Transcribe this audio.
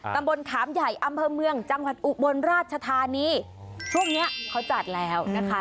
ตำบลขามใหญ่อำเภอเมืองจังหวัดอุบลราชธานีช่วงเนี้ยเขาจัดแล้วนะคะ